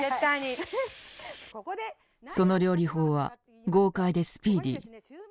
その料理法は豪快でスピーディー。